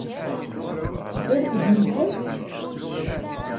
Ddant-d yid-kent?